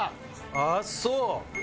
ああそう。